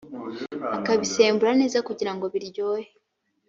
akabisembura neza kugirango biryohe